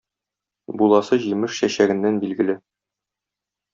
Буласы җимеш чәчәгеннән билгеле.